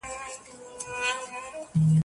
د ژوندي وصال شېبې دي لکه خوب داسي پناه سوې